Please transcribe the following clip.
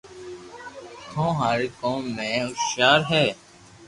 تو ٿاري ڪوم ۾ ھوݾيار ھي